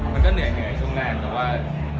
มันก็เหนื่อยตั้งแต่ว่า